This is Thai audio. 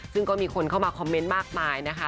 ซึ่งก็มีคนเข้ามาคอมเมนต์มากมายนะคะ